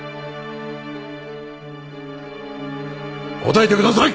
答えてください！